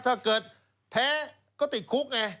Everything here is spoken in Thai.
ถ้าเกิดแพ้ก็ติดคุกไง